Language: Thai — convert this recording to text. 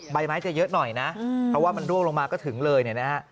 ใบไม้จะเยอะหน่อยนะเพราะว่ามันร่วงลงมาก็ถึงเลยเนี่ยนะฮะ